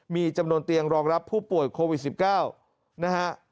มีจำนวนเตียงรองรับผู้ป่วยโควิด๑๙นะฮะ